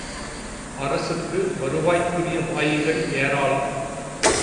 அரசுக்கு வருவாய்க்குரிய வாயில்கள் ஏராளம்!